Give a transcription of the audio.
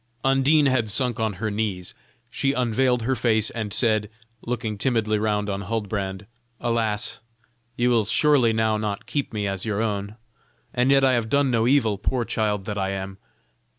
Undine had sunk on her knees: she unveiled her face and said, looking timidly round on Huldbrand: "Alas! you will surely now not keep me as your own; and yet I have done no evil, poor child that I am!"